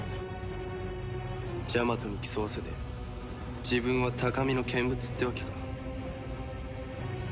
ジャマトに競わせて自分は高みの見物ってわけか。